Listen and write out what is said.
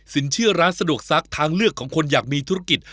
เชื่อร้านสะดวกซักทางเลือกของคนอยากมีธุรกิจ